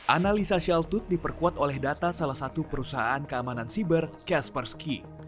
analisa shaltut diperkuat oleh data salah satu perusahaan keamanan siber caspersky